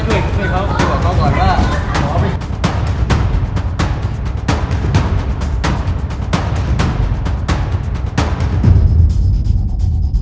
ตอนที่สุดมันกลายเป็นสิ่งที่ไม่มีความคิดว่า